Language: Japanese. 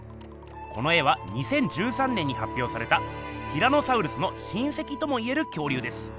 この絵は２０１３年にはっぴょうされたティラノサウルスの親せきともいえる恐竜です。